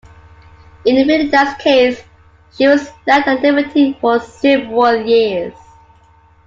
In Veleda's case, she was left at liberty for several years.